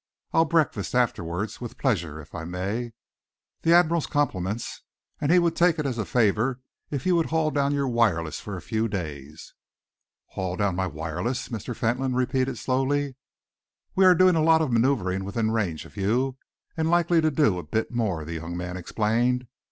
I'll breakfast afterwards, with pleasure, if I may. The Admiral's compliments, and he would take it as a favour if you would haul down your wireless for a few days." "Haul down my wireless," Mr. Fentolin repeated slowly. "We are doing a lot of manoeuvring within range of you, and likely to do a bit more," the young man explained.